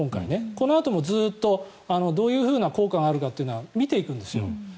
このあとも、ずっとどういう効果があるかというのは見ていくんですよ。